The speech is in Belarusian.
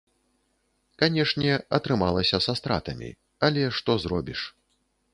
Канешне, атрымалася са стратамі, але што зробіш.